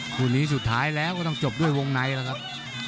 ภูนิสุดท้ายแล้วก็ต้องจบด้วยวงไนนะครับ